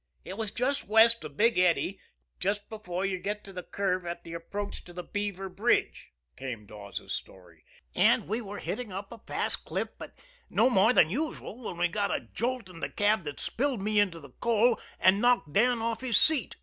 "It was just west of Big Eddy, just before you get to the curve at the approach to the Beaver Bridge," came Dawes' story, "and we were hitting up a fast clip, but no more than usual, when we got a jolt in the cab that spilled me into the coal and knocked Dan off his seat.